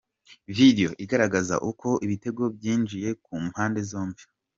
Video igaragaza uko ibitego byinjiye ku mpande zombi:.